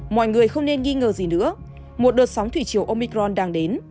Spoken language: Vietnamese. mọi người không nên nghi ngờ gì nữa